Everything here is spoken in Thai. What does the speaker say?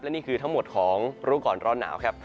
นี่คือทั้งหมดของรู้ก่อนร้อนหนาวครับ